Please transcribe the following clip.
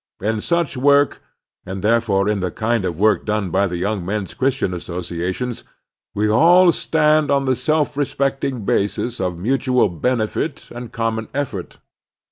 In such work, and therefore in the kind of work done by the Yoimg Men's Christian Asso ciations, we all stand on the self respecting basis of mutual benefit and common effort.